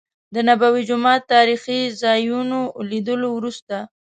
د نبوي جومات تاريخي ځا يونو لیدلو وروسته.